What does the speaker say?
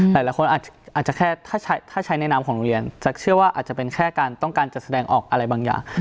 หลายคนอาจจะแค่ถ้าใช้ในนามของโรงเรียนแจ๊คเชื่อว่าอาจจะเป็นแค่การต้องการจะแสดงออกอะไรบางอย่าง